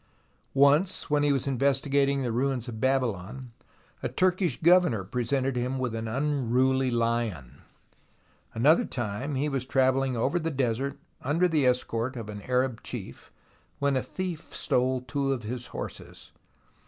Once when he was investigating the ruins of Babylon, a Turkish governor presented him with an unruly Uon ! Another time he was travelhng over the desert under the escort of an Arab chief, when a thief stole two of his horses.